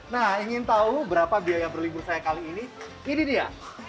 nah ingin tahu berapa biaya berlibur saya kali ini ini dia